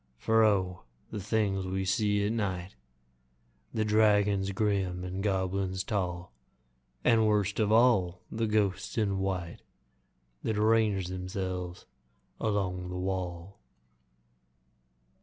For O! the things we see at night The dragons grim, the goblins tall, And, worst of all, the ghosts in white That range themselves along the wall!